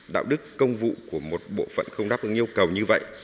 đạo đức công vụ của một bộ phận không đáp ứng yêu cầu như vậy